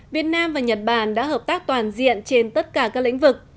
việt nam và nhật bản đã hợp tác toàn diện trên tất cả các lĩnh vực